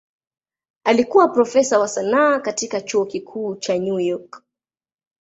Alikuwa profesa wa sanaa katika Chuo Kikuu cha New York.